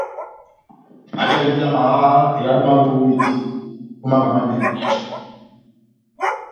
Ajahindi amaha ehádo yá nʼyówedi ó mánga manɛnɛ.